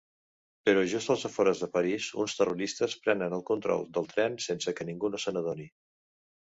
Però just als afores de París uns terroristes prenen el control del tren sense que ningú no se n'adoni.